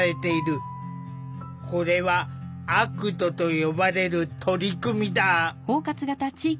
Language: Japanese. これはＡＣＴと呼ばれる取り組みだ。